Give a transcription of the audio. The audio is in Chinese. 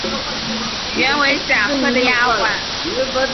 原为贾赦的丫环。